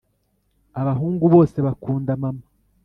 Abahungu bose bakunda mama.